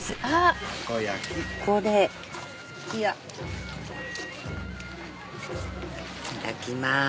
いただきまーす。